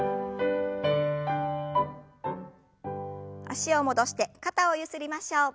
脚を戻して肩をゆすりましょう。